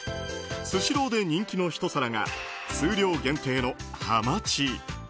スシローで人気のひと皿が数量限定のハマチ。